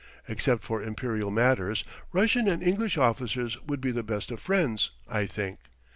Except for imperial matters, Russian and English officers would be the best of friends, I think.